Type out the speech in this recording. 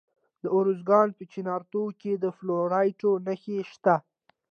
د ارزګان په چنارتو کې د فلورایټ نښې شته.